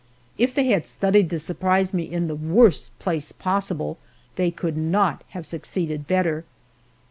If they had studied to surprise me in the worst place possible they could not have succeeded better.